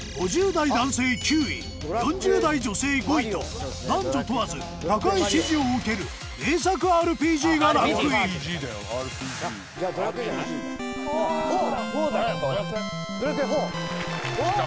５０代男性、９位４０代女性、５位と男女問わず高い支持を受ける名作ＲＰＧがランクイン裕二：『Ⅳ』だ！